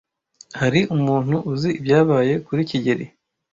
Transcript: Hari umuntu uzi ibyabaye kuri kigeli?